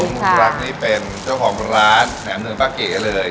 ขอบคุณค่ะมุนรักนี่เป็นเจ้าของร้านแหน่มหนึ่งปะเกะเลย